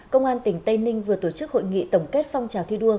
công an tỉnh tây ninh vừa tổ chức hội nghị tổng kết phong trào thi đua